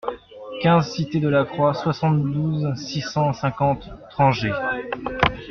quinze cité de la Croix, soixante-douze, six cent cinquante, Trangé